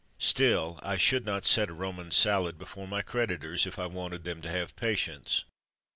Still I should not set a Roman salad before my creditors, if I wanted them to have "patience."